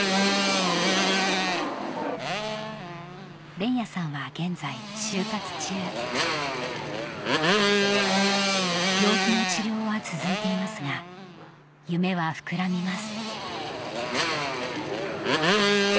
連也さんは現在就活中病気の治療は続いていますが夢は膨らみます